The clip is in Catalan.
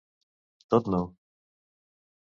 Tot no...